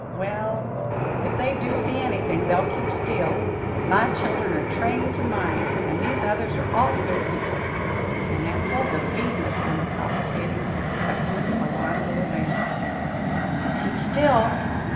"Well, ef they do see anything, they'll keep still my chil'en are trained to mind; and these others are all good people;" and Aunt Huldah beamed upon the palpitating, expectant, alarmed little band. "Keep still!"